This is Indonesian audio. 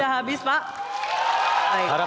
terima kasih pak